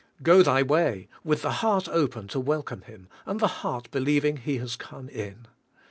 Go th}' way, with the heart open to welcome Him, and the heart believing He has come in.